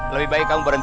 lebih baik kamu berhenti